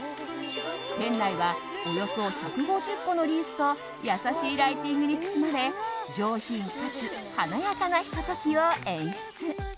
店内はおよそ１５０個のリースと優しいライティングに包まれ上品かつ華やかなひと時を演出。